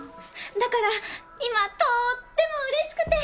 だから今とっても嬉しくて！